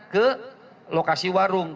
ke lokasi warung